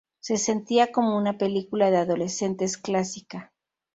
Se sentía como una película de adolescentes clásica.